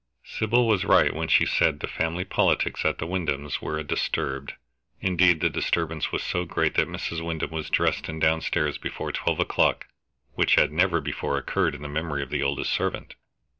Sybil was right when she said the family politics at the Wyndhams' were disturbed. Indeed the disturbance was so great that Mrs. Wyndham was dressed and down stairs before twelve o'clock, which had never before occurred in the memory of the oldest servant.